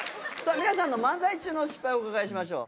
皆さんの漫才中の失敗をお伺いしましょう。